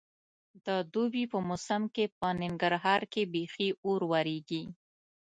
د دوبي په موسم کې په ننګرهار کې بیخي اور ورېږي.